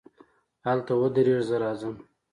هلته ودرېږه، زه راځم.